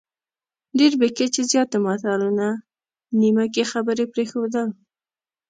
ډېر بې کچې زیات متلونه، نیمه کې خبرې پرېښودل،